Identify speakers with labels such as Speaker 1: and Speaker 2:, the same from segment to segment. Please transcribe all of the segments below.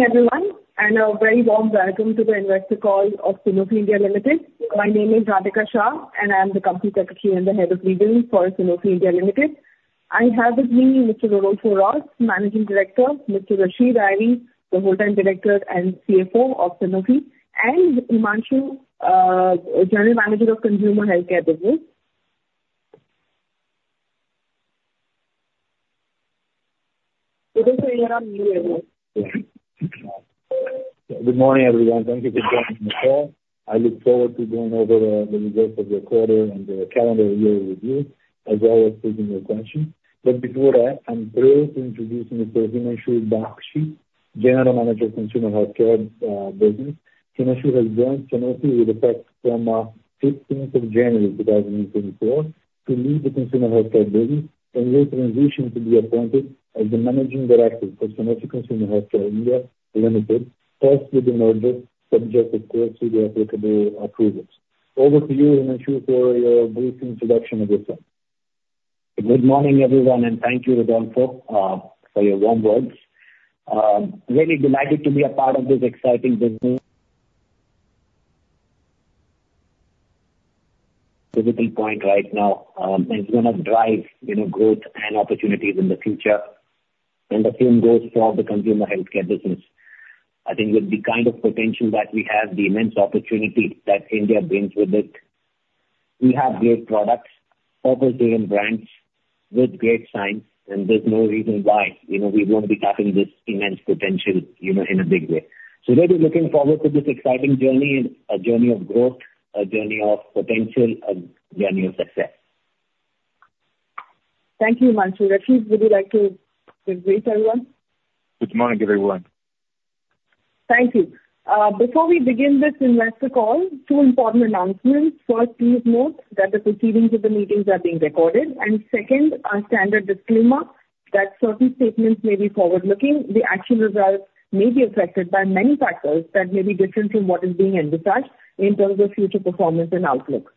Speaker 1: Hey everyone, and a very warm welcome to the investor call of Sanofi India Limited. My name is Radhika Shah, and I'm the company secretary and the head of legal for Sanofi India Limited. I have with me Mr. Rodolfo Hrosz, Managing Director, Mr. Rachid Ayari, the Whole-time Director and CFO of Sanofi, and Himanshu, General Manager of consumer healthcare business. This year I'm new here.
Speaker 2: Yeah. Good morning everyone. Thank you for joining the call. I look forward to going over the results of the quarter and the calendar year with you, as well as taking your questions. But before that, I'm thrilled to introduce Mr. Himanshu Bakshi, General Manager of Consumer Healthcare Business. Himanshu has joined Sanofi with effect from 15th of January, 2024, to lead the consumer healthcare business and will transition to be appointed as the Managing Director for Sanofi Consumer Healthcare India Limited, plus with the merger subject, of course, to the applicable approvals. Over to you, Himanshu, for your brief introduction of yourself.
Speaker 3: Good morning everyone, and thank you, Rodolfo, for your warm words. Really delighted to be a part of this exciting business. Critical point right now is gonna drive, you know, growth and opportunities in the future. And the same goes for the consumer healthcare business. I think with the kind of potential that we have, the immense opportunity that India brings with it, we have great products, iconic brands with great science, and there's no reason why, you know, we won't be tapping this immense potential, you know, in a big way. So really looking forward to this exciting journey and a journey of growth, a journey of potential, a journey of success.
Speaker 1: Thank you, Himanshu. Rachid, would you like to greet everyone?
Speaker 4: Good morning everyone.
Speaker 1: Thank you. Before we begin this investor call, two important announcements. First, please note that the proceedings of the meetings are being recorded. Second, a standard disclaimer that certain statements may be forward-looking. The actual results may be affected by many factors that may be different from what is being envisaged in terms of future performance and outlook.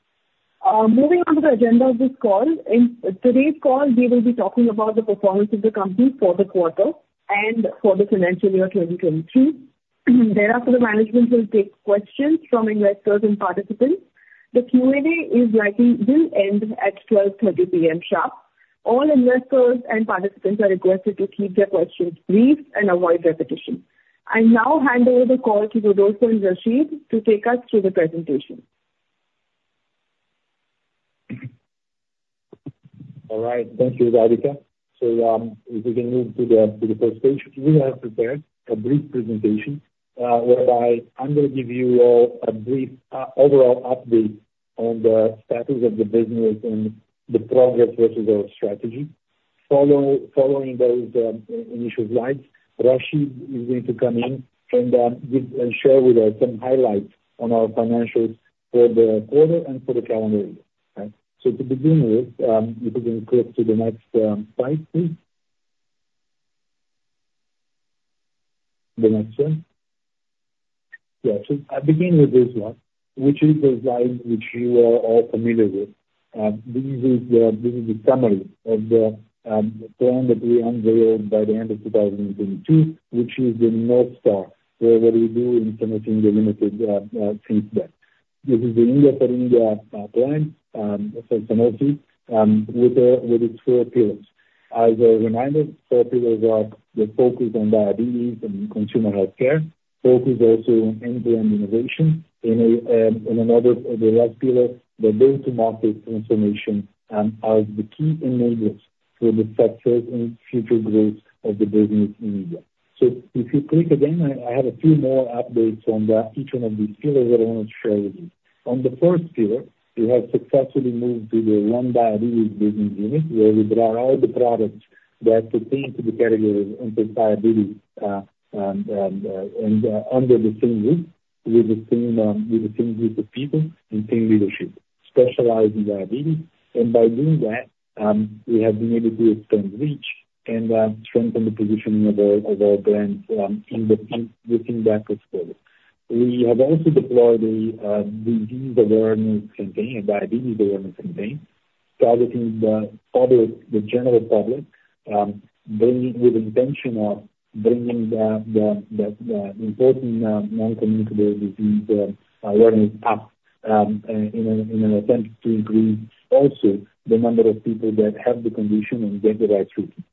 Speaker 1: Moving on to the agenda of this call, in today's call we will be talking about the performance of the company for the quarter and for the financial year 2023. Thereafter, the management will take questions from investors and participants. The Q&A is likely will end at 12:30 P.M. sharp. All investors and participants are requested to keep their questions brief and avoid repetition. I now hand over the call to Rodolfo and Rachid to take us through the presentation.
Speaker 2: All right. Thank you, Radhika. So, if we can move to the first page, we have prepared a brief presentation, whereby I'm gonna give you all a brief, overall update on the status of the business and the progress versus our strategy. Following those initial slides, Rachid is going to come in and give and share with us some highlights on our financials for the quarter and for the calendar year, right? So to begin with, if we can click to the next slide, please. The next one. Yeah. So I begin with this one, which is the slide which you are all familiar with. This is the summary of the plan that we unveiled by the end of 2022, which is the North Star, what we do in Sanofi India Limited, since then. This is the India for India plan for Sanofi with its four pillars. As a reminder, four pillars are the focus on diabetes and consumer healthcare, focus also on end-to-end innovation, and another the last pillar, the go-to-market transformation, as the key enablers for the success and future growth of the business in India. So if you click again, I have a few more updates on that, each one of these pillars that I wanna share with you. On the first pillar, we have successfully moved to the One Diabetes Business Unit, where we brought all the products that pertain to the category of anti-diabetes, and under the same roof with the same group of people and same leadership, specialized in diabetes. By doing that, we have been able to expand reach and strengthen the positioning of all of our brands, in the in looking backwards forward. We have also deployed a disease awareness campaign, a diabetes awareness campaign, targeting the public, the general public, bringing with the intention of bringing the important non-communicable disease awareness up, in an attempt to increase also the number of people that have the condition and get the right treatment.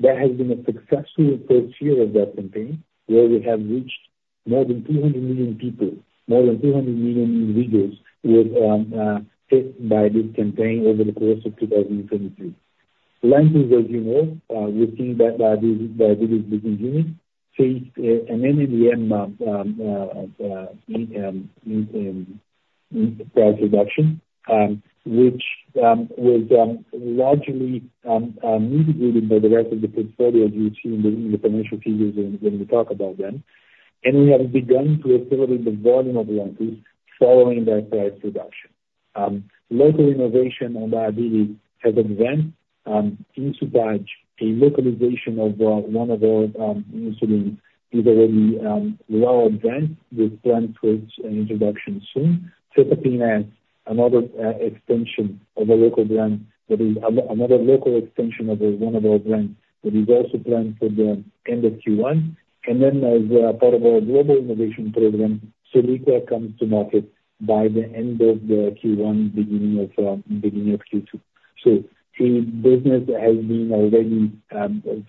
Speaker 2: That has been a successful first year of that campaign, where we have reached more than 200 million people, more than 200 million individuals hit by this campaign over the course of 2023. Lantus, as you know, within that diabetes business unit faced an NLEM price reduction, which was largely mitigated by the rest of the portfolio as you've seen in the financial figures when we talk about them. We have begun to accelerate the volume of Lantus following that price reduction. Local innovation on diabetes has advanced into badge. A localization of one of our insulins is already well advanced. We're planning to its introduction soon. Cetapin as another extension of a local brand that is another local extension of one of our brands that is also planned for the end of Q1. And then as part of our global innovation program, Soliqua comes to market by the end of Q1, beginning of Q2. So a business that has already been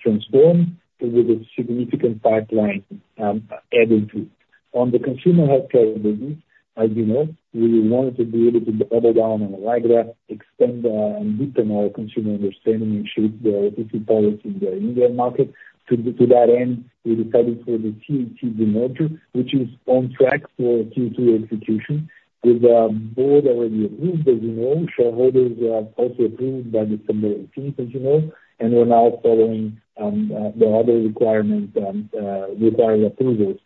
Speaker 2: transformed with a significant pipeline added to it. On the consumer healthcare business, as you know, we wanted to be able to double down on Allegra, extend, and deepen our consumer understanding and shape the OTC policy in the Indian market. To that end, we decided for the CHC merger, which is on track for Q2 execution with a board already approved, as you know. Shareholders also approved by December 18th, as you know, and we're now following the other requirements, required approvals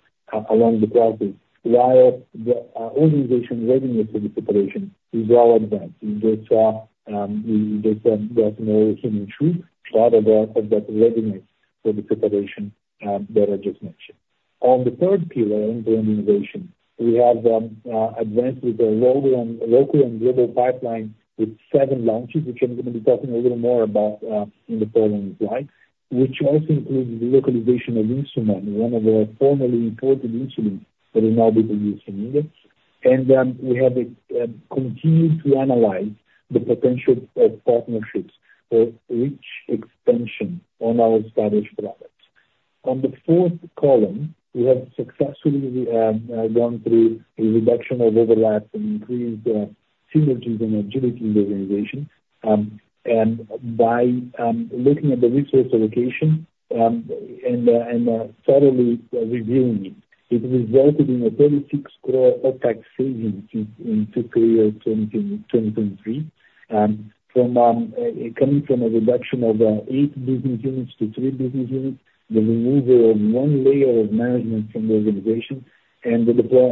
Speaker 2: along the process. While the organization readiness for the separation is well advanced. We just got to know Himanshu, part of that readiness for the separation that I just mentioned. On the third pillar, end-to-end innovation, we have advanced with a local and global pipeline with seven launches, which I'm gonna be talking a little more about in the following slides, which also includes the localization of Insuman, one of our formerly imported insulins that is now being used in India. We have continued to analyze the potential of partnerships for reach extension on our established products. On the fourth column, we have successfully gone through a reduction of overlaps and increased synergies and agility in the organization, and by looking at the resource allocation and thoroughly reviewing it, it resulted in a 36 crore OPEX savings in Q3 of 2023, coming from a reduction of 8 business units to 3 business units, the removal of 1 layer of management from the organization, and the deploy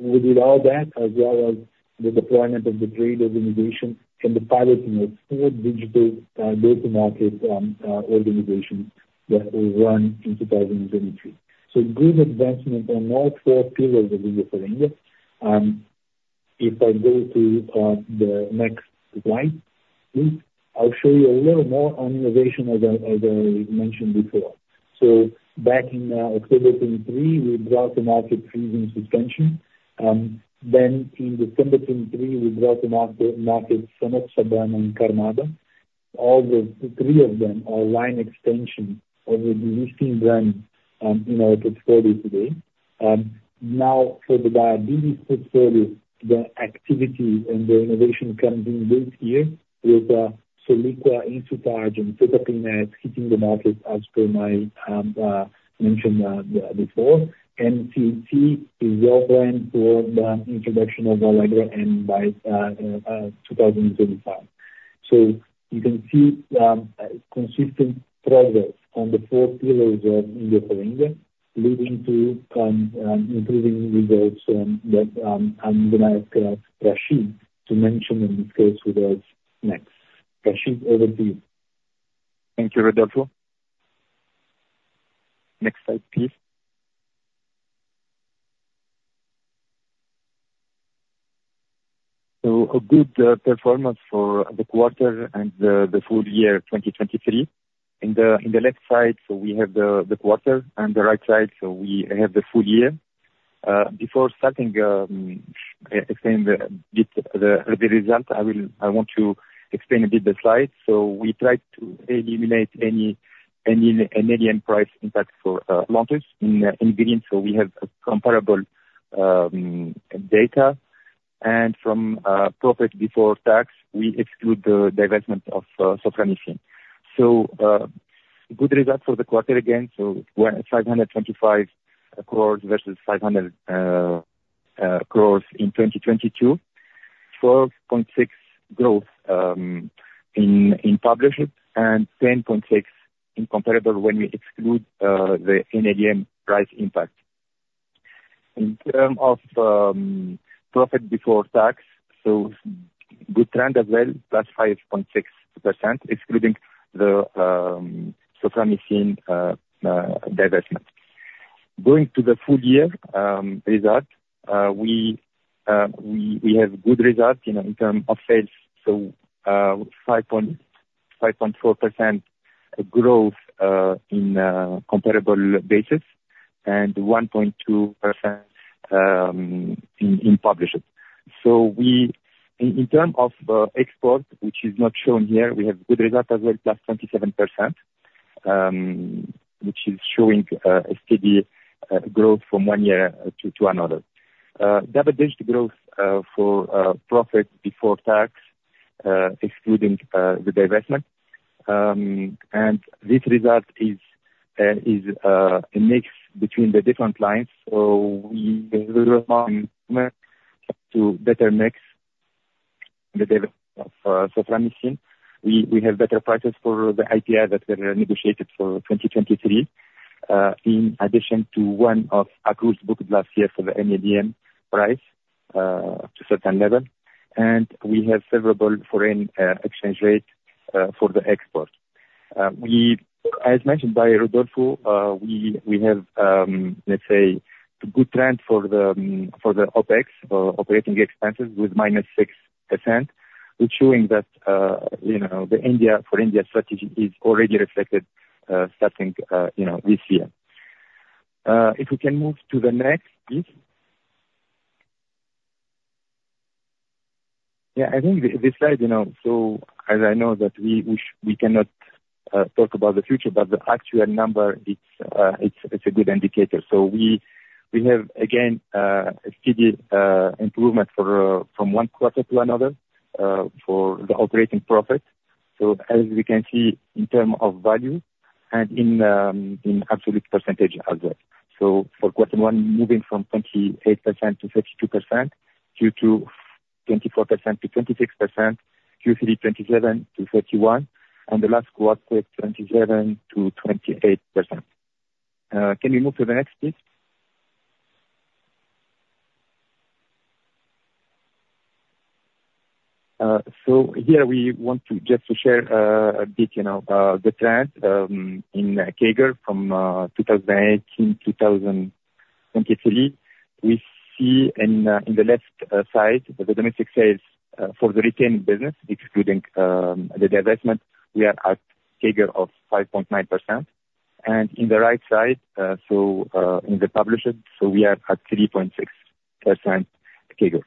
Speaker 2: within all that, as well as the deployment of the trade organization and the piloting of 4 digital go-to-market organizations that will run in 2023. So good advancement on all four pillars of India for India. If I go to the next slide, please, I'll show you a little more on innovation as I mentioned before. So back in October 2023, we brought to market Frisium Suspension. Then in December 2023, we brought to market Samoxabam and Cardace. All three of them are line extension of the existing brand in our portfolio today. Now for the diabetes portfolio, the activity and the innovation comes in this year with Soliqua, Insuman, and Sertepine hitting the market as per my mention before. And CHC is well planned for the introduction of Allegra by 2025. So you can see consistent progress on the four pillars of India for India, leading to improving results that I'm gonna ask Rachid to mention and discuss with us next. Rachid, over to you.
Speaker 4: Thank you, Rodolfo. Next slide, please. So a good performance for the quarter and the full year 2023. In the left side, so we have the quarter, and the right side, so we have the full year. Before starting to explain a bit the results, I want to explain a bit the slides. So we tried to eliminate any NLEM price impact for Lantus in India. So we have comparable data. And from profit before tax, we exclude the development of Soliqua. So good result for the quarter again. So we're at 525 crore versus 500 crore in 2022, 12.6% growth in rupees, and 10.6% in comparable when we exclude the NLEM price impact. In terms of profit before tax, so good trend as well, plus 5.6% excluding the Soliqua development. Going to the full year results, we have good results in terms of sales. 5.4% growth in comparable basis and 1.2% in Rupees. We in terms of export, which is not shown here, have good results as well, +27%, which is showing a steady growth from one year to another. Double-digit growth for profit before tax, excluding the development. And this result is a mix between the different lines. We have a recommendation to better mix the development of Soframycin. We have better prices for the IPR that were negotiated for 2023, in addition to one of accrued books last year for the NLEM price to a certain level. And we have favorable foreign exchange rate for the export. We, as mentioned by Rodolfo, have, let's say, good trend for the OPEX, operating expenses with -6%, which is showing that, you know, the India for India strategy is already reflected, starting, you know, this year. If we can move to the next, please. Yeah. I think this slide, you know, so as you know that we cannot talk about the future, but the actual number, it's a good indicator. So we have, again, a steady improvement from one quarter to another, for the operating profit. So as we can see in terms of value and in absolute percentage as well. So for quarter one, moving from 28%-32%, Q2 24%-26%, Q3 27%-31%, and the last quarter, 27%-28%. Can we move to the next, please? So here we want to just share a bit, you know, the trend in CAGR from 2018 to 2023. We see in the left side the domestic sales for the retail business, excluding the demerger, we are at CAGR of 5.9%. And in the right side, so in the institutional, so we are at 3.6% CAGR.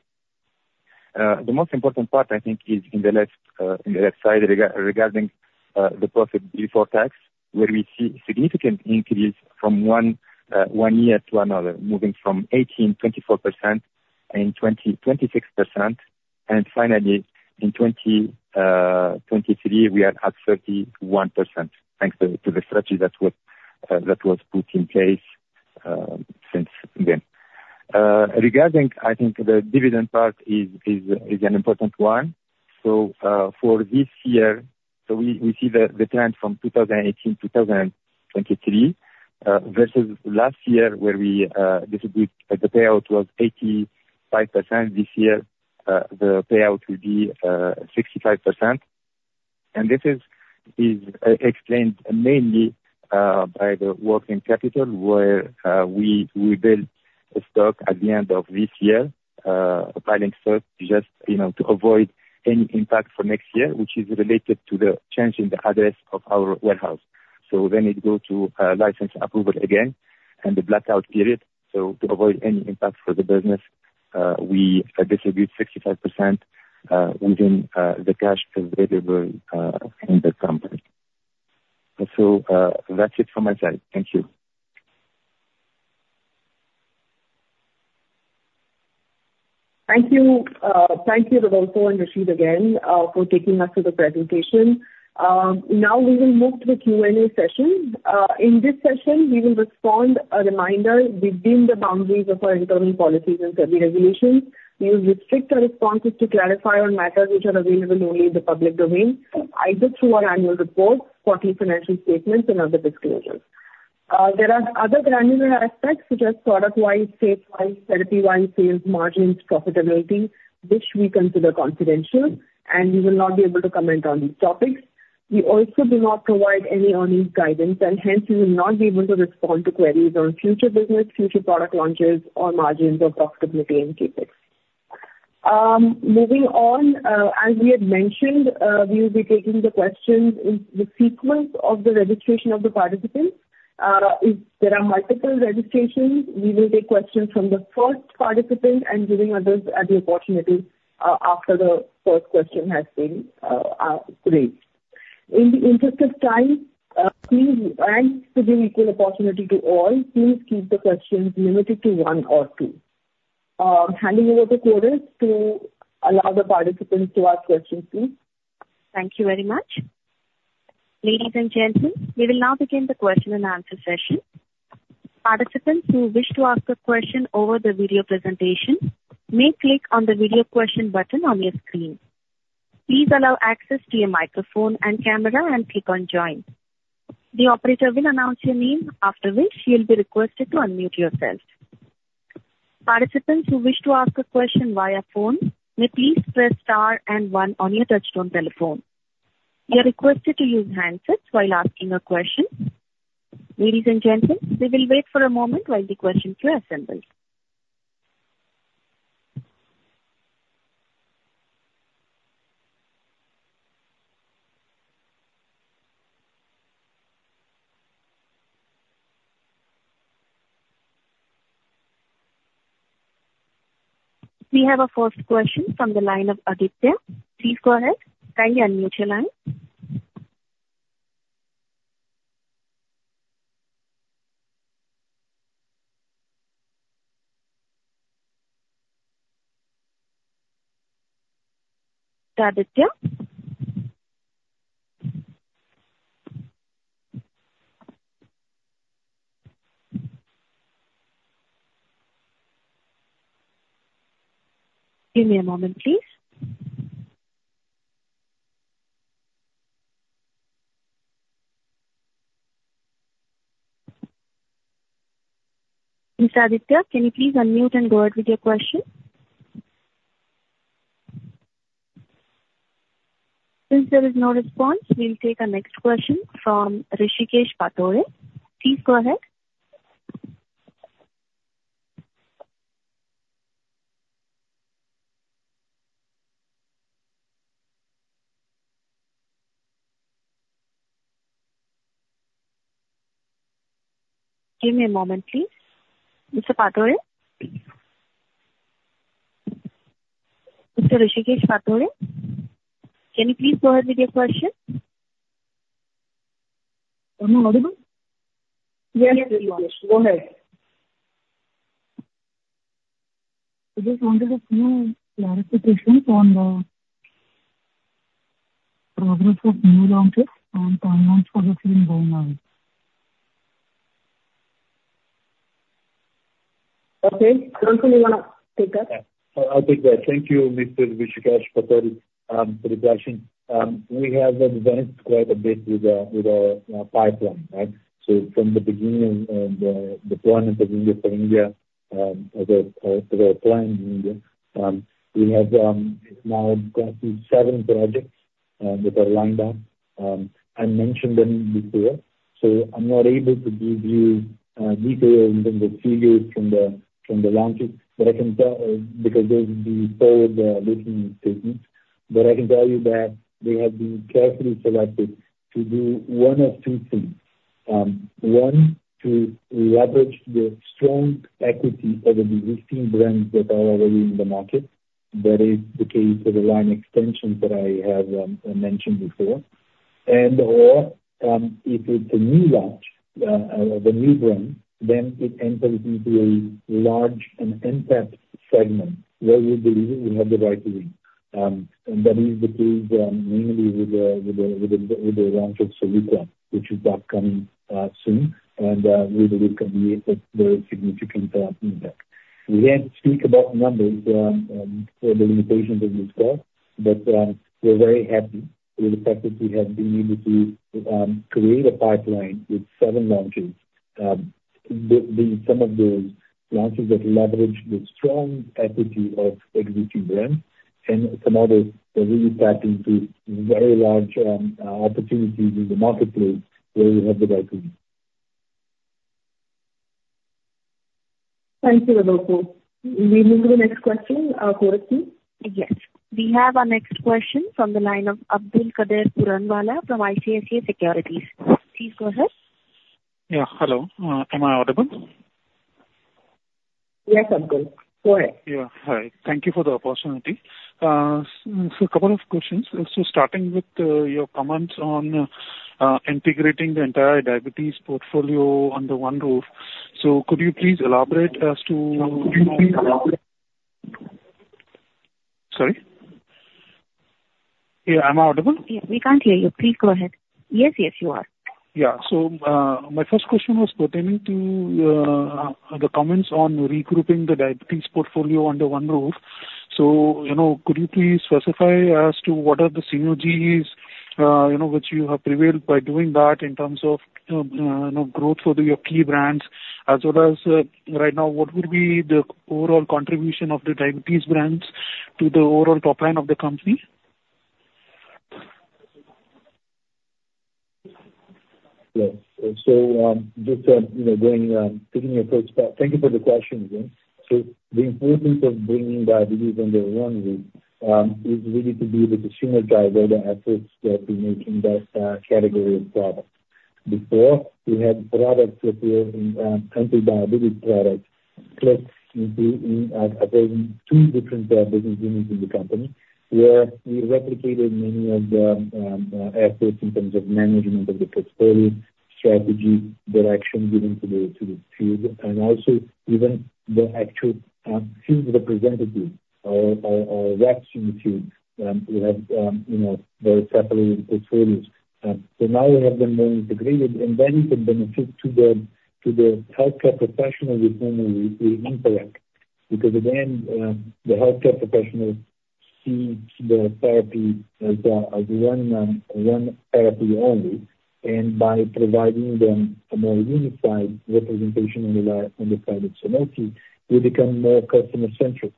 Speaker 4: The most important part, I think, is in the left side regarding the profit before tax, where we see significant increase from one year to another, moving from 18%, 24%, and 20%, 26%. And finally, in 2023, we are at 31% thanks to the strategy that was put in place since then. Regarding, I think, the dividend part is an important one. So, for this year, so we see the trend from 2018, 2023, versus last year where we distributed the payout was 85%. This year, the payout will be 65%. And this is explained mainly by the working capital where we build stock at the end of this year, piling stock just, you know, to avoid any impact for next year, which is related to the change in the address of our warehouse. So then it goes to license approval again and the blackout period. So to avoid any impact for the business, we distribute 65% within the cash available in the company. So, that's it from my side. Thank you.
Speaker 1: Thank you. Thank you, Rodolfo and Rachid, again, for taking us to the presentation. Now we will move to the Q&A session. In this session, we will respond, a reminder, within the boundaries of our internal policies and regulations. We will restrict our responses to clarify on matters which are available only in the public domain, either through our annual report, quarterly financial statements, and other disclosures. There are other granular aspects such as product-wise, sales-wise, therapy-wise, sales margins, profitability, which we consider confidential, and we will not be able to comment on these topics. We also do not provide any earnings guidance, and hence, we will not be able to respond to queries on future business, future product launches, or margins of profitability and CapEx. Moving on, as we had mentioned, we will be taking the questions in the sequence of the registration of the participants. If there are multiple registrations, we will take questions from the first participant and giving others the opportunity, after the first question has been raised. In the interest of time, please and to give equal opportunity to all, please keep the questions limited to one or two. Handing over to Cora to allow the participants to ask questions, please.
Speaker 5: Thank you very much. Ladies and gentlemen, we will now begin the question and answer session. Participants who wish to ask a question over the video presentation may click on the video question button on your screen. Please allow access to your microphone and camera and click on Join. The operator will announce your name, after which you'll be requested to unmute yourself. Participants who wish to ask a question via phone may please press star and one on your touchtone telephone. You're requested to use handsets while asking a question. Ladies and gentlemen, we will wait for a moment while the questions are assembled. We have a first question from the line of Aditya. Please go ahead. Kindly unmute your line. Aditya? Give me a moment, please. Ms. Aditya, can you please unmute and go ahead with your question? Since there is no response, we'll take a next question from Rishikesh Patore. Please go ahead. Give me a moment, please. Mr. Patore? Mr. Rishikesh Patore? Can you please go ahead with your question?
Speaker 6: Can you hear me? Yes, Rishikesh. Go ahead. I just wanted a few clarifications on the progress of new launches and timelines for the three going on.
Speaker 1: Okay. Rodolfo, you wanna take that?
Speaker 2: Yeah. I'll take that. Thank you, Mr. Rishikesh Patore, for the question. We have advanced quite a bit with our pipeline, right? So from the beginning of the deployment of India for India, as a plan in India, we have now got to seven projects that are lined up. I mentioned them before, so I'm not able to give you details in terms of figures from the launches, but I can tell because those will be forward, written statements. But I can tell you that they have been carefully selected to do one of two things. One, to leverage the strong equity of the existing brands that are already in the market. That is the case for the line extensions that I have mentioned before. If it's a new launch of a new brand, then it enters into a large and in-depth segment where we believe that we have the right to win. That is the case, mainly with the launch of Soliqua, which is upcoming soon. We believe it can be a very significant impact. We can't speak about numbers, for the limitations of this call, but we're very happy with the fact that we have been able to create a pipeline with seven launches. Some of those launches leverage the strong equity of existing brands and some others really tap into very large opportunities in the marketplace where we have the right to win.
Speaker 1: Thank you, Rodolfo. We move to the next question. Cora, please?
Speaker 5: Yes. We have our next question from the line of AbdulkaderPuranwala from ICICI Securities. Please go ahead.
Speaker 7: Yeah. Hello. Am I audible?
Speaker 1: Yes, Abdul. Go ahead.
Speaker 7: Yeah. Hi. Thank you for the opportunity. So a couple of questions. So starting with your comments on integrating the entire diabetes portfolio under one roof, so could you please elaborate as to? Sorry? Yeah. Am I audible?
Speaker 5: Yeah. We can't hear you. Please go ahead. Yes, yes, you are.
Speaker 7: Yeah. So, my first question was pertaining to the comments on regrouping the diabetes portfolio under one roof. So, you know, could you please specify as to what are the synergies, you know, which you have prevailed by doing that in terms of, you know, growth for your key brands? As well as, right now, what would be the overall contribution of the diabetes brands to the overall top line of the company?
Speaker 2: Yeah. So, just, you know, thank you for the question again. So the importance of bringing diabetes under one roof is really to be able to synergize all the efforts that we're making that category of products. Before, we had anti-diabetic products across two different business units in the company where we replicated many of the efforts in terms of management of the portfolio, strategy, direction given to the field. And also even the actual field representatives or reps in the field would have, you know, very separate portfolios. So now we have them more integrated, and then it can benefit to the healthcare professional with whom we interact. Because again, the healthcare professionals see the therapy as one therapy only. By providing them a more unified representation on the line on the side of Sanofi, we become more customer-centric.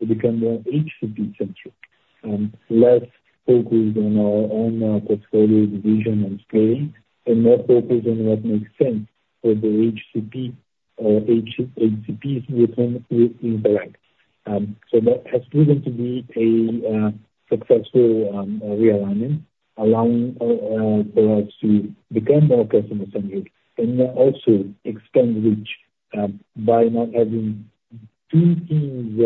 Speaker 2: We become more HCP-centric, less focused on our own portfolio division and scaling, and more focused on what makes sense for the HCP or HCPs with whom we interact. So that has proven to be a successful realignment, allowing for us to become more customer-centric and also expand reach by not having two teams,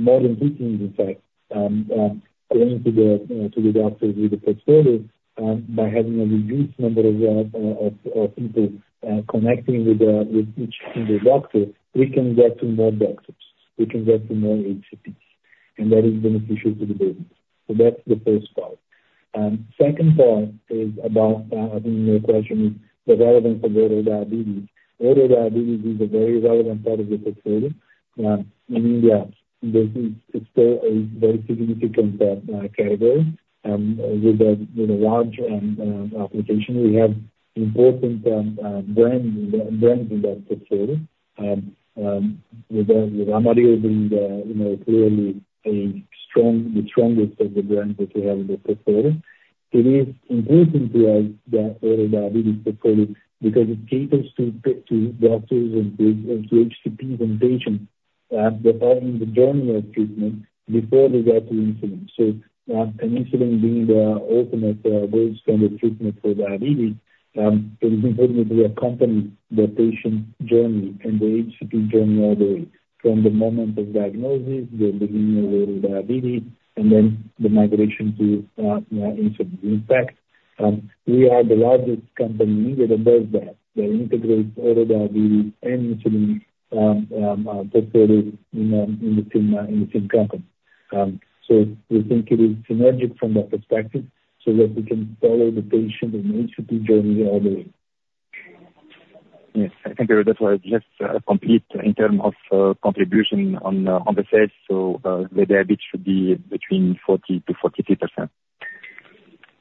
Speaker 2: more than two teams, in fact, going to the doctors with the portfolio, by having a reduced number of people connecting with each single doctor, we can get to more doctors. We can get to more HCPs. And that is beneficial to the business. So that's the first part. Second part is about, I think your question is the relevance of our diabetes. Oral diabetes is a very relevant part of the portfolio. In India, this is it's still a very significant category, with a large application. We have important brands in that portfolio, with Amaryl being, you know, clearly the strongest of the brands that we have in the portfolio. It is important to us that oral diabetes portfolio because it caters to doctors and to HCPs and patients that are in the journey of treatment before they get to insulin. So, insulin being the ultimate, worst kind of treatment for diabetes, it is important to accompany the patient journey and the HCP journey all the way from the moment of diagnosis, the beginning of oral diabetes, and then the migration to insulin. In fact, we are the largest company in India that does that, that integrates our diabetes and insulin portfolio in the same company. So we think it is synergistic from that perspective so that we can follow the patient and HCP journey all the way.
Speaker 7: Yes. I think that was just a complete in terms of contribution on the sales. So, the diabetes should be between 40%-43%.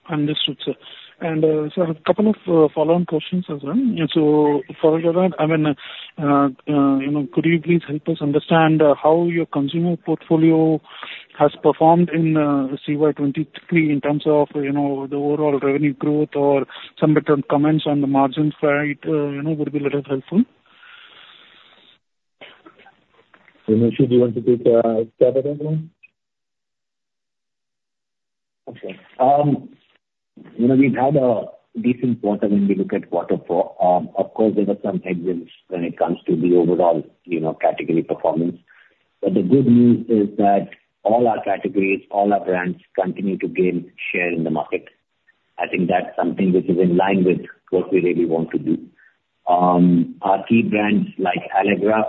Speaker 7: Understood, sir. So I have a couple of follow-on questions as well. So for a short while, I mean, you know, could you please help us understand how your consumer portfolio has performed in CY23 in terms of, you know, the overall revenue growth or some return comments on the margin side, you know, would be a little helpful?
Speaker 2: Rishikesh, do you want to take, start with that one? Okay. You know, we've had a decent quarter when we look at quarter four. Of course, there were some headwinds when it comes to the overall, you know, category performance. But the good news is that all our categories, all our brands continue to gain share in the market. I think that's something which is in line with what we really want to do. Our key brands like Allegra,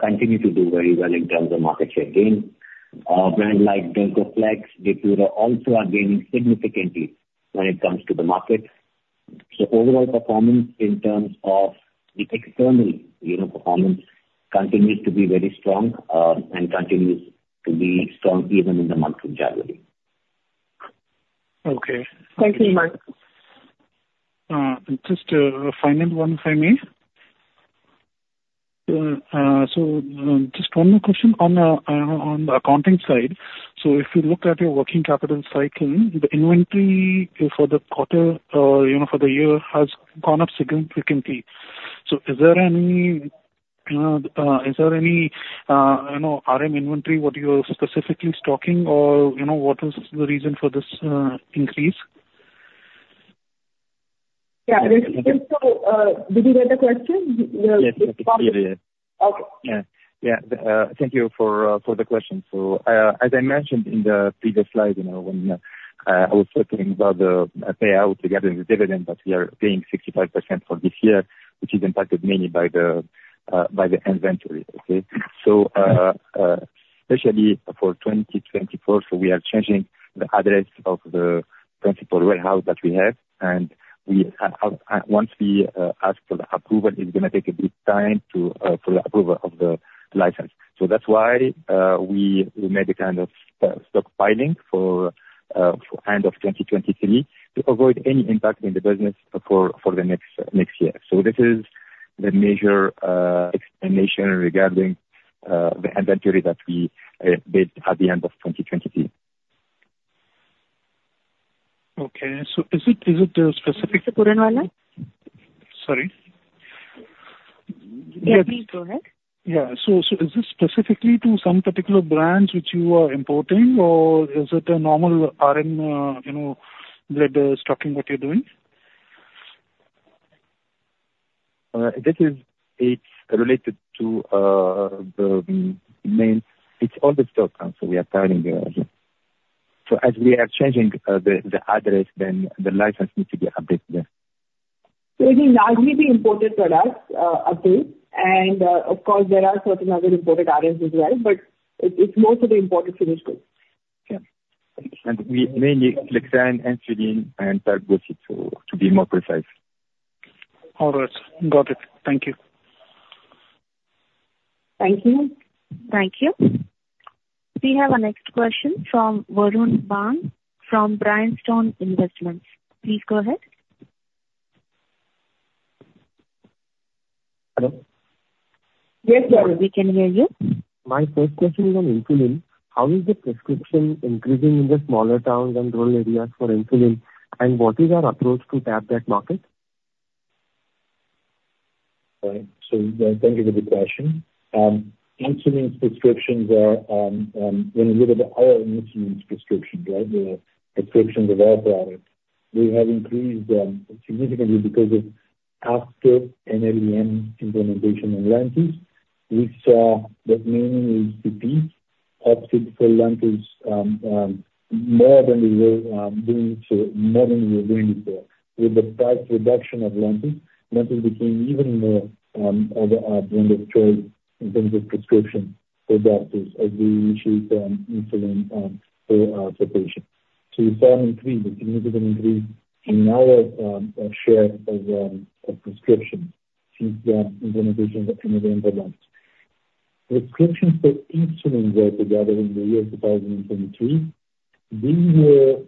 Speaker 2: continue to do very well in terms of market share gain. Our brand like Dulcoflex, Depura, also are gaining significantly when it comes to the market. So overall performance in terms of the external, you know, performance continues to be very strong, and continues to be strong even in the month of January.
Speaker 7: Okay. Thank you, Mike. Just a final one, if I may. So, just one more question on the, on the accounting side. So if you look at your working capital cycle, the inventory for the quarter or, you know, for the year has gone up significantly. So is there any, you know, is there any, you know, RM inventory what you're specifically stocking, or, you know, what is the reason for this increase?
Speaker 1: Yeah. Is this still? Did you get the question?
Speaker 2: Yes. Yes. Yeah, yeah, yeah.
Speaker 7: Okay.
Speaker 1: Yeah. Yeah. Thank you for the question. So, as I mentioned in the previous slide, you know, when I was talking about the payout regarding the dividend that we are paying 65% for this year, which is impacted mainly by the inventory, okay? So, especially for 2024, we are changing the address of the principal warehouse that we have. And once we ask for the approval, it's gonna take a bit time for the approval of the license. So that's why we made a kind of stockpiling for end of 2023 to avoid any impact in the business for the next year. So this is the major explanation regarding the inventory that we built at the end of 2023. Okay. So is it specifically?
Speaker 5: Mr. Puranwala?
Speaker 8: Sorry?
Speaker 5: Yeah. Please go ahead.
Speaker 8: Yeah. So, so is this specifically to some particular brands which you are importing, or is it a normal RM, you know, that, stocking what you're doing?
Speaker 2: This is, it's related to the main. It's all the stock, so we are filing here, yeah. So as we are changing the address, then the license needs to be updated there.
Speaker 1: It means now only the imported products update. Of course, there are certain other imported RMs as well, but it's mostly the imported finished goods.
Speaker 7: Yeah. We mainly Clexane, Insulin, and Targocid, to be more precise. All right. Got it. Thank you.
Speaker 1: Thank you.
Speaker 5: Thank you. We have a next question from Varun Bang from Bryanston Investments. Please go ahead.
Speaker 2: Hello?
Speaker 5: Yes, sorry. We can hear you.
Speaker 9: My first question is on insulin. How is the prescription increasing in the smaller towns and rural areas for insulin, and what is our approach to tap that market?
Speaker 2: All right. So, thank you for the question. Insulin prescriptions are, you know, a little bit our insulin prescriptions, right? We have prescriptions of our product. We have increased, significantly because of after NLEM implementation in Lantus, we saw that mainly HCPs opted for Lantus, more than we were, doing so more than we were doing before. With the price reduction of Lantus, Lantus became even more, of a, a brand of choice in terms of prescription for doctors as we initiate, insulin, for, for patients. So we saw an increase, a significant increase in our, share of, of prescriptions since the implementation of NLEM for Lantus. Prescriptions for insulin were together in the year 2023. They were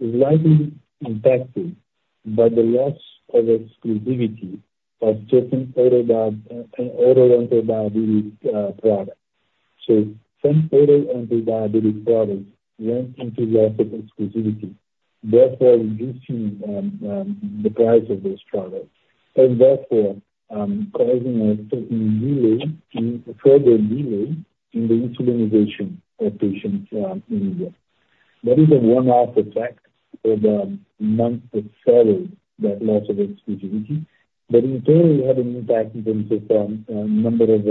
Speaker 2: likely impacted by the loss of exclusivity of certain oral anti-diabetic products. So some oral anti-diabetic products went into loss of exclusivity. Therefore, reducing the price of those products, and therefore causing a certain delay in further delay in the insulinization of patients in India. That is a one-off effect for the months that followed that loss of exclusivity. But in total, it had an impact in terms of number of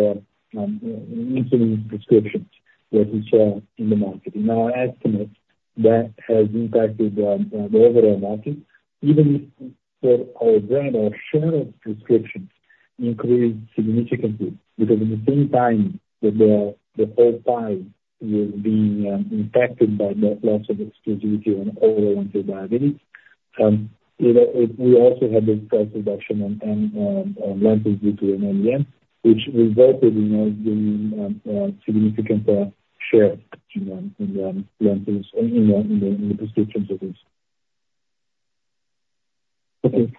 Speaker 2: insulin prescriptions that we saw in the market. In our estimate, that has impacted the overall market even if for our brand, our share of prescriptions increased significantly. Because at the same time that the whole pie was being impacted by the loss of exclusivity on oral anti-diabetic, you know, that we also had this price reduction on Lantus due to NLEM, which resulted in us gaining significant share in Lantus in the prescriptions of insulin.
Speaker 9: Okay.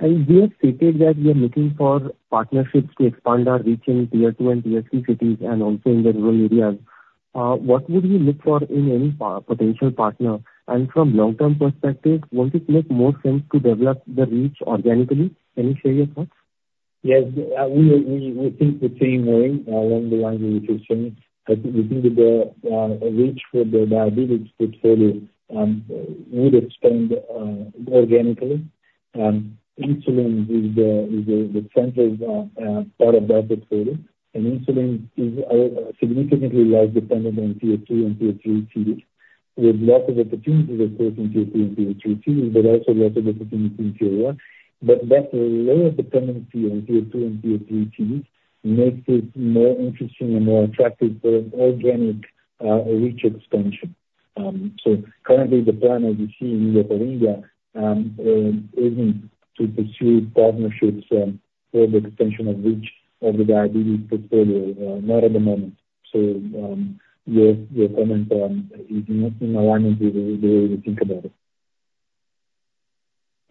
Speaker 9: And you have stated that you're looking for partnerships to expand our reach in tier-two and tier-three cities and also in the rural areas. What would you look for in any potential partner? And from long-term perspective, won't it make more sense to develop the reach organically? Can you share your thoughts?
Speaker 2: Yes. We think the same way along the lines of your question. I think we think that the reach for the diabetes portfolio would expand organically. Insulin is the central part of that portfolio. And insulin is significantly less dependent on tier two and tier three cities with lots of opportunities, of course, in tier two and tier three cities but also lots of opportunities in tier one. But that lower dependency on tier two and tier three cities makes it more interesting and more attractive for an organic reach expansion. So currently, the plan as you see in Europe or India isn't to pursue partnerships for the extension of reach of the diabetes portfolio, not at the moment. So, your comment is in alignment with the way we think about it.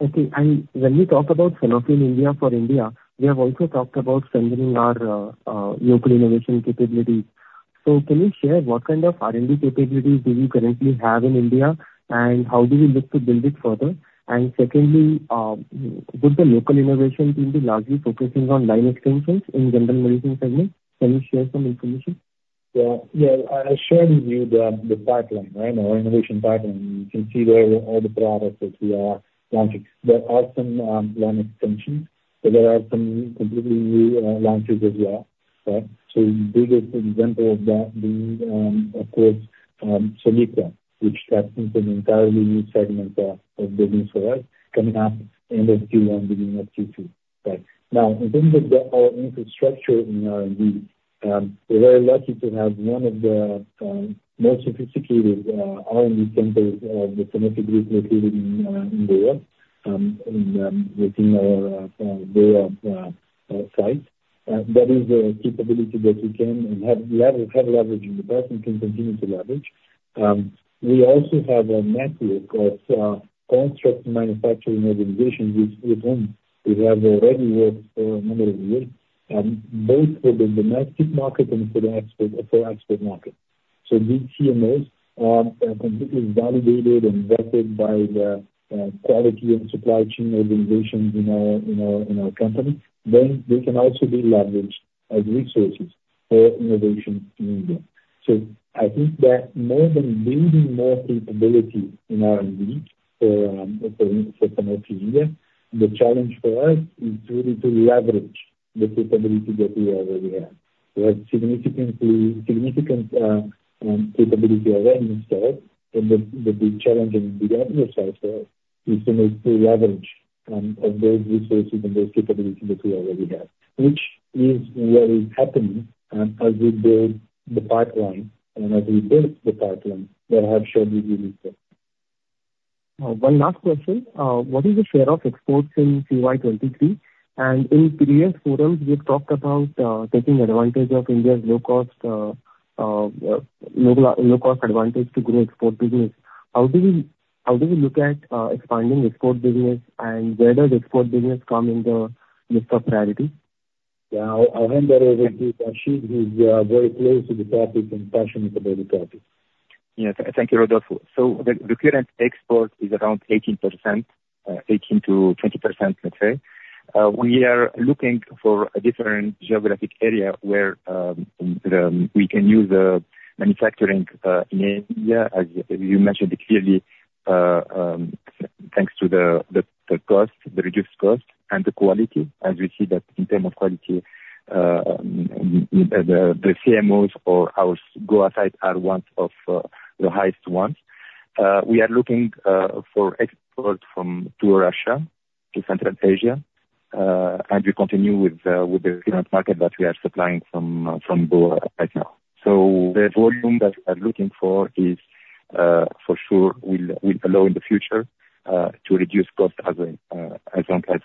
Speaker 9: Okay. And when you talk about Sanofi India for India, we have also talked about centering our local innovation capabilities. So can you share what kind of R&D capabilities do you currently have in India, and how do you look to build it further? And secondly, would the local innovation team be largely focusing on line extensions in general medicine segments? Can you share some information?
Speaker 2: Yeah. Yeah. I shared with you the pipeline, right, our innovation pipeline. You can see there all the products that we are launching. There are some line extensions. But there are some completely new launches as well, right? So biggest example of that being, of course, Soliqua, which taps into an entirely new segment of business for us coming up end of Q1, beginning of Q2, right? Now, in terms of our infrastructure in R&D, we're very lucky to have one of the most sophisticated R&D centers of the Sanofi Group located in the world within our Goa site. That is a capability that we can and have leverage in. We can continue to leverage. We also have a network of contract manufacturing organizations with whom we have already worked for a number of years, both for the domestic market and for the export market. So these CMOs are completely validated and vetted by the quality and supply chain organizations in our company. Then they can also be leveraged as resources for innovation in India. So I think that more than building more capability in R&D for Sanofi India, the challenge for us is really to leverage the capability that we already have. We have significant capability already installed. But the big challenge in the exercise for us is to make full leverage of those resources and those capabilities that we already have, which is what is happening as we build the pipeline and as we built the pipeline that I have shared with you before.
Speaker 9: One last question. What is the share of exports in CY23? And in previous forums, we've talked about taking advantage of India's low-cost, local low-cost advantage to grow export business. How do we look at expanding export business, and where does export business come in the list of priorities?
Speaker 2: Yeah. I'll hand that over to Rachid, who's very close to the topic and passionate about the topic.
Speaker 4: Yes. Thank you, Rodolfo. So the current export is around 18%-20%, let's say. We are looking for a different geographic area where we can use the manufacturing in India. As you mentioned it clearly, thanks to the reduced cost and the quality. As we see that in terms of quality, the CMOs or our Goa sites are one of the highest ones. We are looking for export from to Russia to Central Asia. And we continue with the current market that we are supplying from Goa right now. So the volume that we are looking for is for sure will allow in the future to reduce cost as long as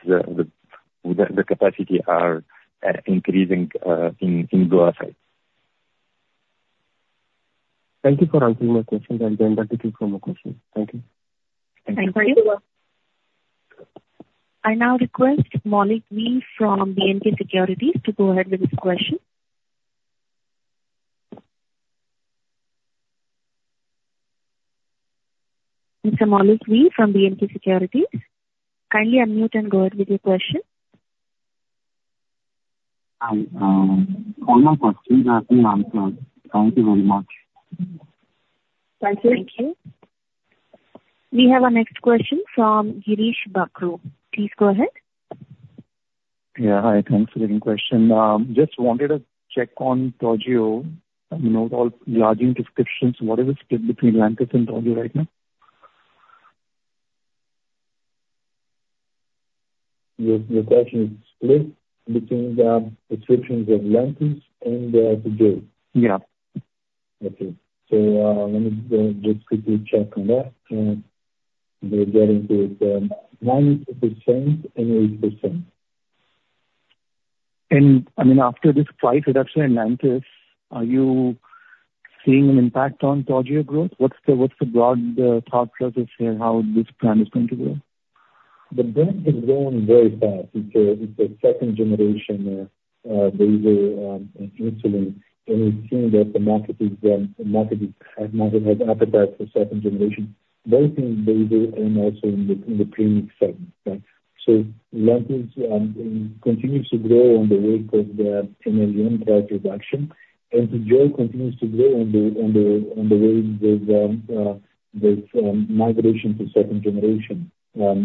Speaker 4: the capacity are increasing in Goa sites.
Speaker 9: Thank you for answering my question, and again, thank you for more questions. Thank you.
Speaker 4: Thank you.
Speaker 5: Thank you.
Speaker 1: Thank you.
Speaker 5: I now request Mikhil. from BNK Securities to go ahead with his question. Mr. Mikhil. from BNK Securities. Kindly unmute and go ahead with your question.
Speaker 6: Hi. All my questions have been answered. Thank you very much.
Speaker 5: Thank you.
Speaker 1: Thank you. We have our next question from Girish Bakhru. Please go ahead.
Speaker 10: Yeah. Hi. Thanks for the question. Just wanted to check on Toujeo. Non-allergic prescriptions. What is the split between Lantus and Toujeo right now?
Speaker 2: Your question is split between the prescriptions of Lantus and Toujeo?
Speaker 10: Yeah.
Speaker 2: Okay. So, let me go just quickly check on that. We're getting to it, 90% and 80%.
Speaker 10: And, I mean, after this price reduction in Lantus, are you seeing an impact on Toujeo growth? What's the broad thought process here, how this brand is going to grow?
Speaker 2: The brand has grown very fast. It's a second-generation basal insulin. And we've seen that the market has appetite for second-generation, both in basal and also in the premium segment, right? So Lantus continues to grow in the wake of the NLEM price reduction. And Toujeo continues to grow on the wave of migration to second-generation and more sophisticated basal insulin. So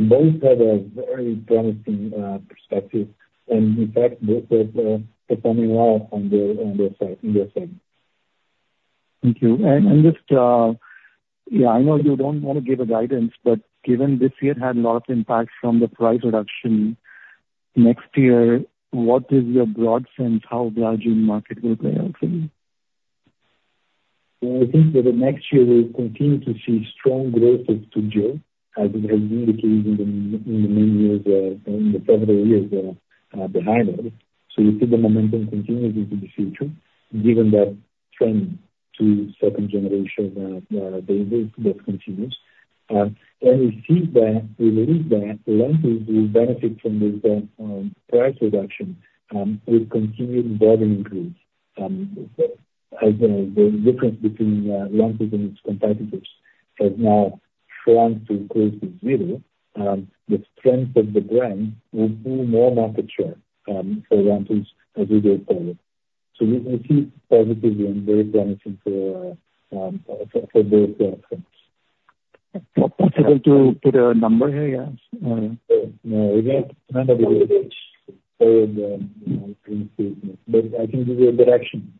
Speaker 2: both have a very promising perspective. And in fact, both are performing well in their segment.
Speaker 10: Thank you. And just, yeah, I know you don't want to give a guidance, but given this year had a lot of impact from the price reduction, next year, what is your broad sense how the changing market will play out for you?
Speaker 2: Well, I think that the next year we'll continue to see strong growth of Toujeo as it has been the case in the many years, in the several years behind us. So we see the momentum continuing into the future given that trend to second-generation basal that continues. We see that we believe that Lantus will benefit from this price reduction with continued volume increase. As the difference between Lantus and its competitors has now shrunk to close to zero, the strength of the brand will pull more market share for Lantus as we go forward. So we see it positively and very promising for both firms.
Speaker 10: What's it going to put a number here, yeah?
Speaker 2: No. We got none of the good news for the, you know, green statement. But I can give you a direction.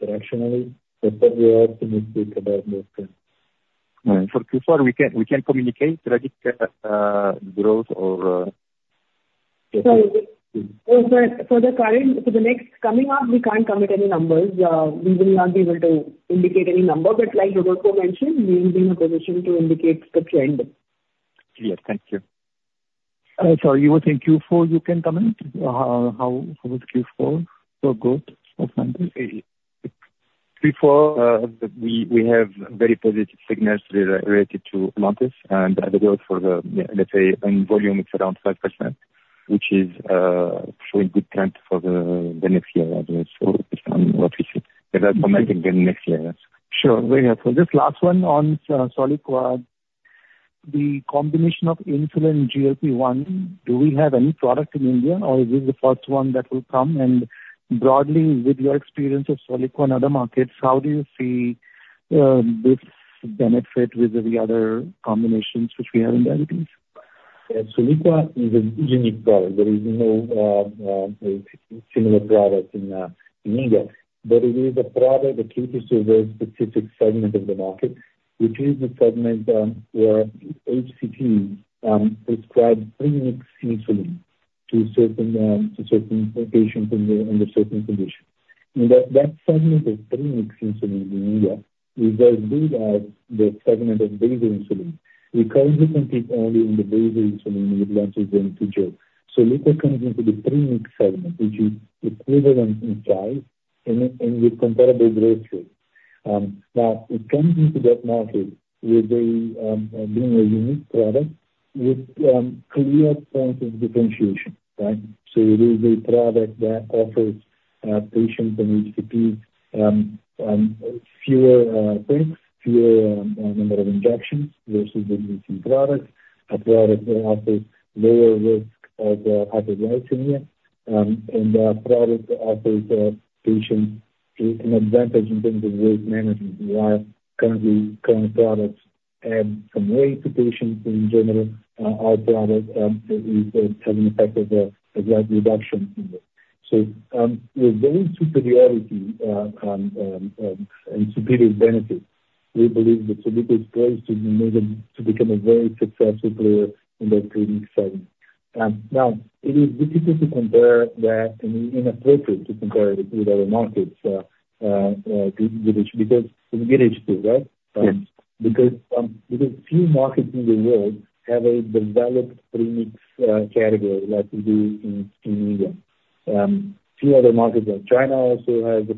Speaker 2: Directionally, that's what we are optimistic about most times.
Speaker 10: All right. For we can communicate strategic growth or,
Speaker 1: Sorry. For the current, for the next coming up, we can't commit any numbers. We will not be able to indicate any number. But like Rodolfo mentioned, we will be in a position to indicate the trend.
Speaker 10: Yes. Thank you. Sorry. You were saying Q4. You can comment? How was Q4 for growth of Lantus?
Speaker 4: Q4, we have very positive signals related to Lantus. And the growth for the, let's say, in volume, it's around 5%, which is showing good trend for the next year, as well, based on what we see. But that's what might happen next year, yes.
Speaker 10: Sure. Very helpful. Just last one on Soliqua. The combination of insulin GLP-1, do we have any product in India, or is this the first one that will come? And broadly, with your experience of Soliqua and other markets, how do you see this benefit with the other combinations which we have in diabetes?
Speaker 2: Yeah. Soliqua is a unique product. There is no similar product in India. But it is a product that cater to a very specific segment of the market, which is the segment where HCP prescribes premium insulin to certain patients in certain conditions. And that segment of premium insulin in India is as good as the segment of basal insulin. We currently compete only in the basal insulin with Lantus and Toujeo. Soliqua comes into the premium segment, which is equivalent in size and with comparable growth rate. Now, it comes into that market with being a unique product with clear points of differentiation, right? So it is a product that offers patients and HCPs fewer pricks, fewer number of injections versus the GLP product, a product that offers lower risk of hyperglycemia, and a product that offers patients an advantage in terms of risk management while current products add some weight to patients in general. Our product has an effect of a slight reduction in this. So, with its profile and superior benefit, we believe that Soliqua's place is to make it become a very successful player in the premium segment. Now, it is difficult to compare that and inappropriate to compare it with other markets with HCP because with HCP, right?
Speaker 10: Yes.
Speaker 2: Because, because few markets in the world have a developed premium category like we do in, in India. Few other markets like China also have,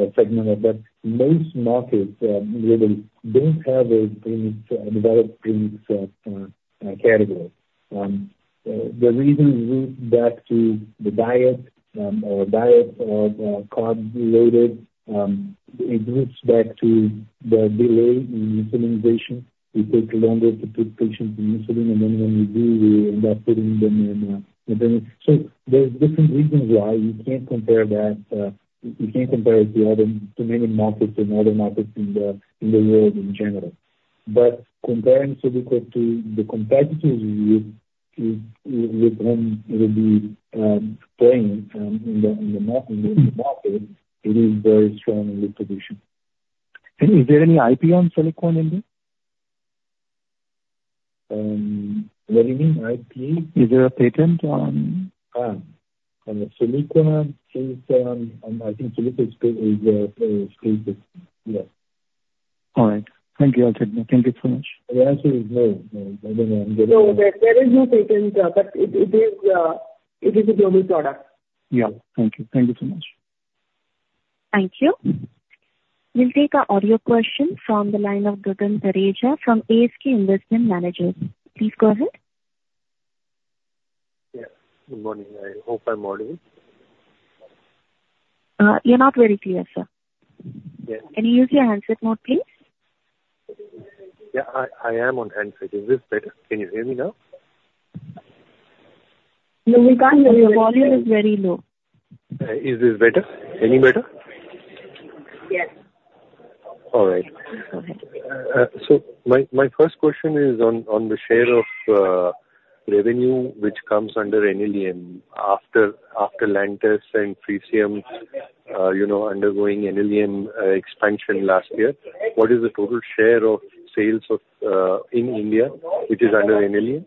Speaker 2: a segment of that. Most markets, globally don't have a premium developed premium category. The reason is roots back to the diet, our diet of, carb-loaded. It roots back to the delay in insulinization. It takes longer to put patients on insulin. And then when we do, we end up putting them in, in premium. So there's different reasons why you can't compare that, you can't compare it to other to many markets and other markets in the in the world in general. But comparing Soliqua to the competitors with, with, with whom it'll be, playing, in the in the mar in the market, it is very strong in this position.
Speaker 10: Is there any IP on Soliqua in there?
Speaker 4: What do you mean? IP?
Speaker 10: Is there a patent on?
Speaker 4: on the Soliqua, I think Soliqua is spaced. Yes.
Speaker 10: All right. Thank you, Elton. Thank you so much.
Speaker 4: The answer is no. No. I don't know. I'm getting a.
Speaker 1: So there is no patent, but it is a global product.
Speaker 10: Yeah. Thank you. Thank you so much.
Speaker 5: Thank you. We'll take our audio question from the line of Drugan Parijah from ASK Investment Managers. Please go ahead.
Speaker 6: Yes. Good morning. I hope I'm audible.
Speaker 1: You're not very clear, sir.
Speaker 6: Yes.
Speaker 1: Can you use your handset mode, please?
Speaker 6: Yeah. I am on handset. Is this better? Can you hear me now?
Speaker 1: No, we can't hear you. Your volume is very low.
Speaker 6: Is this better? Any better?
Speaker 1: Yes.
Speaker 6: All right.
Speaker 1: Go ahead.
Speaker 6: My first question is on the share of revenue which comes under NLEM after Lantus and Freesium, you know, undergoing NLEM expansion last year. What is the total share of sales in India which is under NLEM?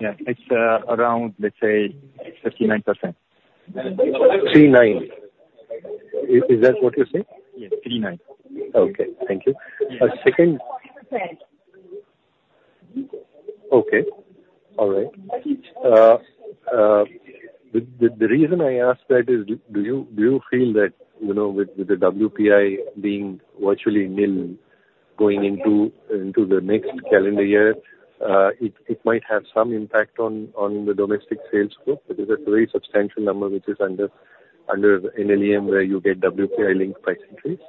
Speaker 4: Yeah. It's around, let's say, 39%.
Speaker 6: 39? Is that what you're saying?
Speaker 4: Yes. 39.
Speaker 6: Okay. Thank you. A second.
Speaker 1: 39%.
Speaker 6: Okay. All right. The reason I ask that is do you feel that, you know, with the WPI being virtually nil going into the next calendar year, it might have some impact on the domestic sales growth because that's a very substantial number which is under NLEM where you get WPI-linked price increase?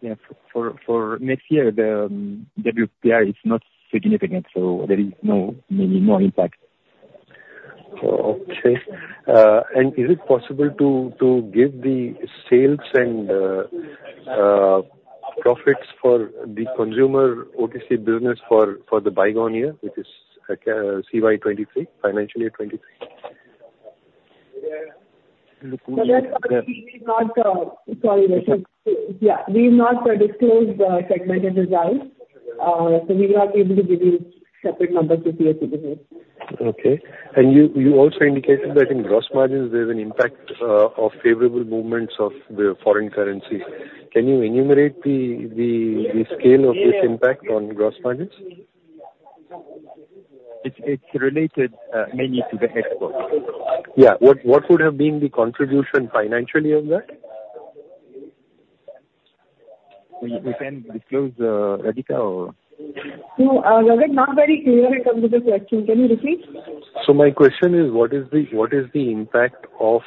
Speaker 4: Yeah. For next year, the WPI is not significant. So there is maybe no impact.
Speaker 6: Okay. Is it possible to, to give the sales and, profits for the consumer OTC business for, for the bygone year which is, CY 2023, financial year 2023?
Speaker 1: We've not disclosed the segmented results, so we will not be able to give you separate numbers to see if it is.
Speaker 6: Okay. And you also indicated that in gross margins, there's an impact of favorable movements of the foreign currencies. Can you enumerate the scale of this impact on gross margins?
Speaker 4: It's related, mainly to the export.
Speaker 6: Yeah. What, what would have been the contribution financially of that?
Speaker 4: We can disclose, Radhika or?
Speaker 1: No, that is not very clear in terms of the question. Can you repeat?
Speaker 6: My question is, what is the impact of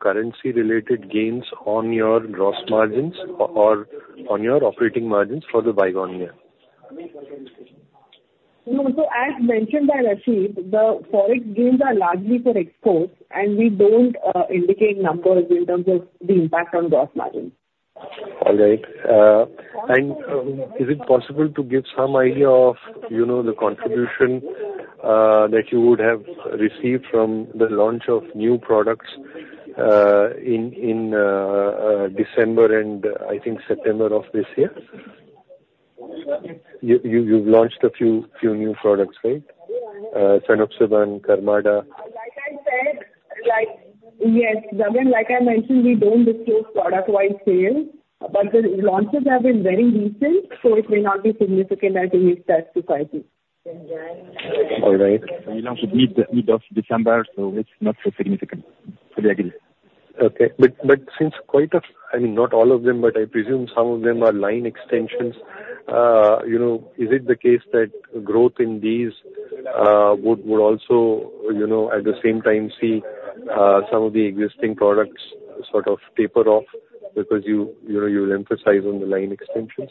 Speaker 6: currency-related gains on your gross margins or on your operating margins for the bygone year?
Speaker 1: No. So as mentioned by Rachid, the forex gains are largely for exports. And we don't, indicate numbers in terms of the impact on gross margins.
Speaker 6: All right. Is it possible to give some idea of, you know, the contribution that you would have received from the launch of new products in December and, I think, September of this year? You've launched a few new products, right? Samoxabam, Karmada.
Speaker 1: Like I said, yes, Drugan, like I mentioned, we don't disclose product-wise sales. But the launches have been very recent. So it may not be significant as we have said to CIT.
Speaker 6: All right.
Speaker 4: We launched at mid of December. It's not so significant. We agree.
Speaker 6: Okay. But since quite a—I mean, not all of them, but I presume some of them are line extensions, you know, is it the case that growth in these would also, you know, at the same time see some of the existing products sort of taper off because you know you will emphasize on the line extensions?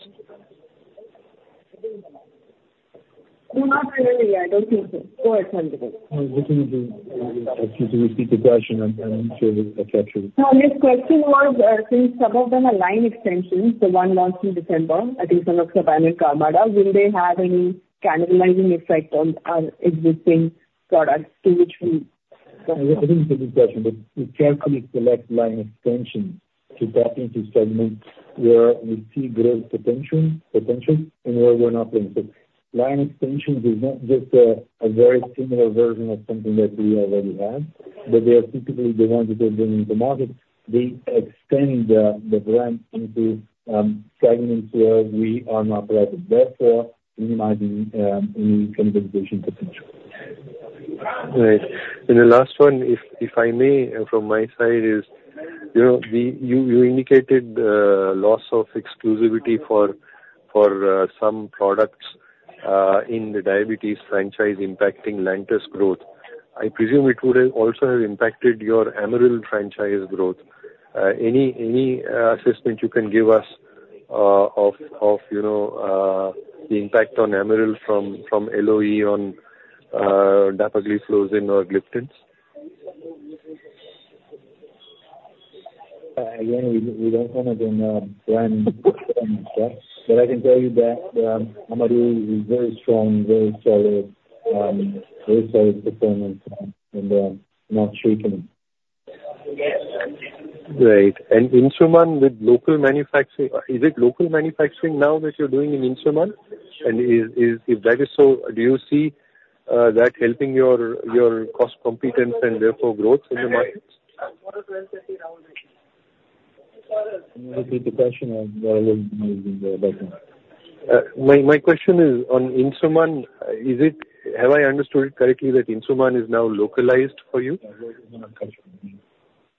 Speaker 1: No, not NLEM. I don't think so. Forex only.
Speaker 6: I was looking at the, actually, did you speak to Garsian? I'm, I'm sure he'll catch you.
Speaker 1: No, his question was, since some of them are line extensions, the one launched in December, I think Samoxabam and Karmada, will they have any cannibalizing effect on our existing products to which we?
Speaker 2: I didn't get the question. But we carefully select line extensions to tap into segments where we see growth potential, and where we're not playing. So line extensions is not just a very similar version of something that we already have. But they are typically the ones that are bringing to market. They extend the brand into segments where we are not present, therefore minimizing any cannibalization potential. Right.
Speaker 6: And the last one, if I may, from my side, is, you know, you indicated the loss of exclusivity for some products in the diabetes franchise impacting Lantus growth. I presume it would also have impacted your Amaryl franchise growth. Any assessment you can give us of the impact on Amaryl from LOE on dapagliflozin or gliptins?
Speaker 4: Again, we don't want to bring brand performance, right? But I can tell you that Amaryl is very strong, very solid, very solid performance in not shaking.
Speaker 6: Right. And Insuman with local manufacturing, is it local manufacturing now that you're doing in Insuman? And is, is if that is so, do you see that helping your, your cost competence and, therefore, growth in the markets?
Speaker 4: Can you repeat the question? What I was meaning background.
Speaker 6: My question is, on Insuman, is it have I understood it correctly that Insuman is now localized for you?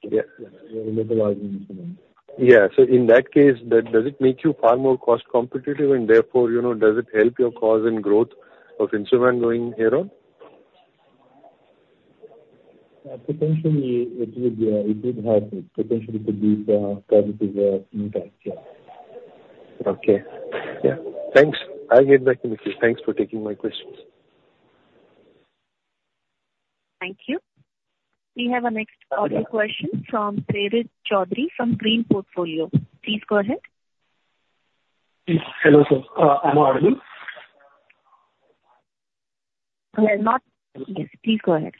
Speaker 4: Yes. We are localizing Insuman.
Speaker 6: Yeah. So in that case, does it make you far more cost competitive? And therefore, you know, does it help your cause in growth of Insuman going forward?
Speaker 4: Potentially, it would help. It potentially could give positive impact. Yeah.
Speaker 6: Okay. Yeah. Thanks. I'll get back to Mikhil. Thanks for taking my questions.
Speaker 5: Thank you. We have a next audio question from Prik Chaudhary from Green Portfolio. Please go ahead.
Speaker 11: Yes. Hello, sir. I'm audible.
Speaker 1: Well, not yes. Please go ahead.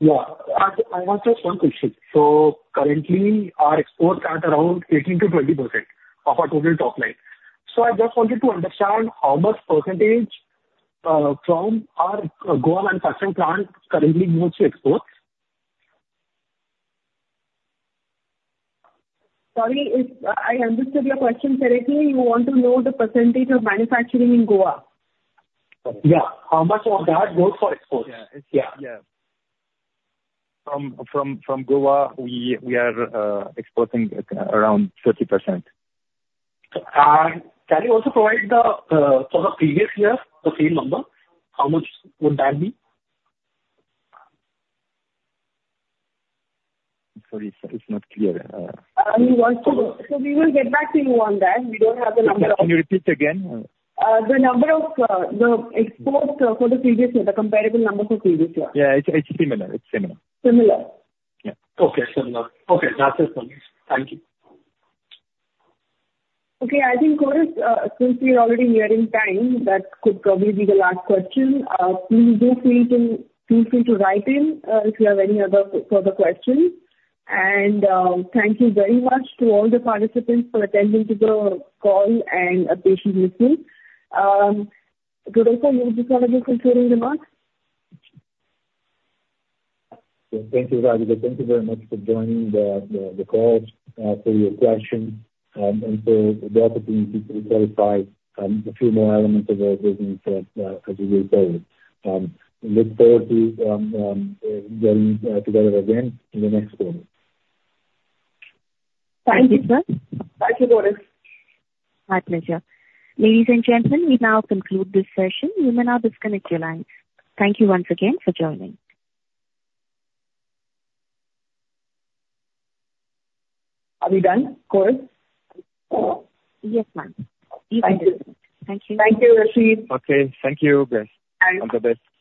Speaker 11: Yeah. I have just one question. So currently, our exports are at around 18%-20% of our total top line. So I just wanted to understand how much percentage, from our Goa manufacturing plant currently goes to exports?
Speaker 1: Sorry. If I understood your question correctly, you want to know the percentage of manufacturing in Goa?
Speaker 11: Yeah. How much of that goes for exports?
Speaker 4: Yeah. It's, yeah.
Speaker 11: Yeah.
Speaker 4: From Goa, we are exporting around 30%.
Speaker 11: Can you also provide the, for the previous year, the same number? How much would that be?
Speaker 4: Sorry. It's, it's not clear.
Speaker 1: He wants to so we will get back to you on that. We don't have the number of.
Speaker 6: Can you repeat again?
Speaker 1: the number of the exports for the previous year, the comparable number for previous year.
Speaker 11: Yeah. It's, it's similar. It's similar.
Speaker 1: Similar.
Speaker 6: Yeah. Okay. Similar. Okay. That's it, sir. Thank you.
Speaker 1: Okay. I think, since we're already nearing time, that could probably be the last question. Please feel free to write in, if you have any other further questions. Thank you very much to all the participants for attending the call and patiently listening. Drugan, sir, you just want to do some closing remarks?
Speaker 2: Thank you, Raj Verma. Thank you very much for joining the call, for your questions, and for the opportunity to clarify a few more elements of our business that, as we will tell you, look forward to getting together again in the next quarter.
Speaker 1: Thank you, sir. Thank you, Boris. My pleasure. Ladies and gentlemen, we now conclude this session. You may now disconnect your lines. Thank you once again for joining. Are we done, Coris? Yes, ma'am. You can disconnect. Thank you. Thank you, Rachid.
Speaker 4: Okay. Thank you, guys.
Speaker 1: Thanks.
Speaker 4: Have a good day.